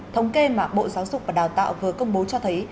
thống kê mà bộ giáo dục và đào tạo vừa công bố cho thấy